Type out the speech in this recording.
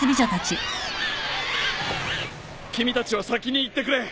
君たちは先に行ってくれ！